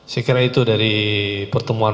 saya kira itu dari pertemuan